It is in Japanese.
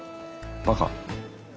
バカ？